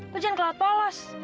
lo jangan kelaut polos